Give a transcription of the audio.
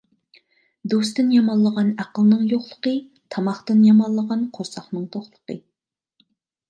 دوستتىن يامانلىغان ئەقىلنىڭ يوقلۇقى، تاماقتىن يامانلىغان قورساقنىڭ توقلۇقى.